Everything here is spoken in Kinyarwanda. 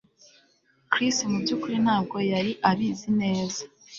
Chris mubyukuri ntabwo yari abizi neza